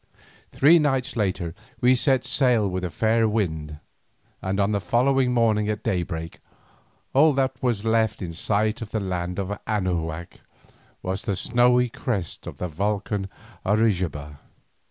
Three nights later we set sail with a fair wind, and on the following morning at daybreak all that was left in sight of the land of Anahuac was the snowy crest of the volcan Orizaba.